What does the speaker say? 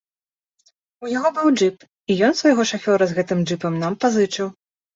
У яго быў джып, і і ён свайго шафёра з гэтым джыпам нам пазычыў.